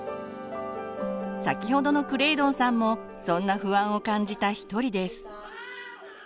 先ほどのクレイドンさんもそんな不安を感じた一人です。